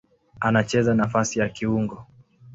Anacheza nafasi ya kiungo.